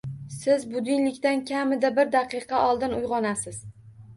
Siz budilnikdan kamida bir daqiqa oldin uyg'onasiz